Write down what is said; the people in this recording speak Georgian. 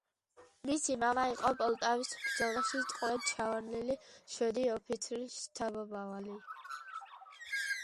მისი მამა იყო პოლტავის ბრძოლაში ტყვედ ჩავარდნილი შვედი ოფიცრის შთამომავალი.